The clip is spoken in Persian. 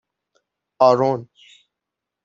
آرون